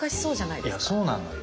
いやそうなんだよ。